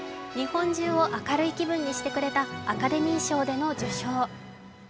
日本中を明るい気分にしてくれたアカデミー賞での受賞。